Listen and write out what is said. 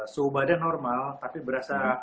suhu badan normal tapi berasa